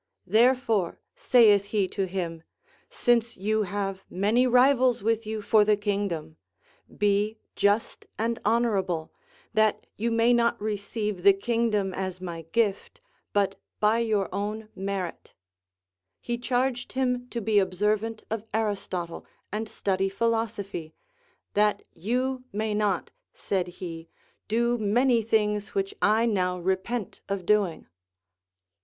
Therefore, saith he to him, since you have many rivals with you for the kingdom, be just and honorable, that you may not receive the king AND GEEAT COMMANDERS. 197 dom as my gift, but by your own merit. He charged him to be observant of Aristotle, and study philosophy. That you may not, said he, do many things which I now repent of doing.